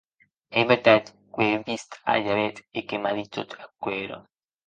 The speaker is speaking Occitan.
Ei vertat qu’è vist a Javert e que m’a dit tot aquerò?